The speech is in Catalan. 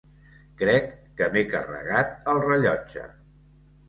Crec que m'he carregat el rellotge.